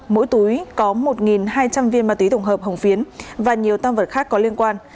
mỗi túi có một hai trăm linh viên ma túy tổng hợp hồng phiến và nhiều tam vật khác có liên quan